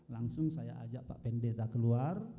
langsung saya ajak pak pendeta keluar